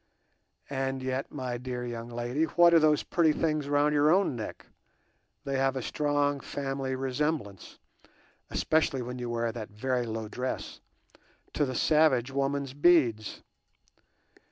And yet, my dear young lady, what are those pretty things round your own neck?—they have a strong family resemblance, especially when you wear that very low dress, to the savage woman's beads.